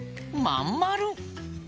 まんまる！